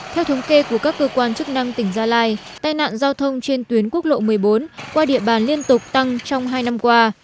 theo thống kê của các cơ quan chức năng tỉnh gia lai tai nạn giao thông trên tuyến quốc lộ một mươi bốn qua địa bàn liên tục tăng trong hai năm qua